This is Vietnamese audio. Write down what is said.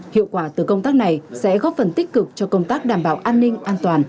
hiệu quả từ công tác này sẽ góp phần tích cực cho công tác đảm bảo an ninh an toàn